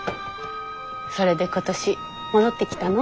それで今年戻ってきたの？